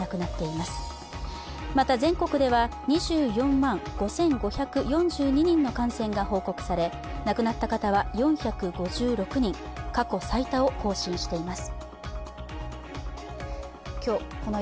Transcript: また、全国では２４万５５４２人の感染が報告され亡くなった方は４５６人、過去最多を更新しています。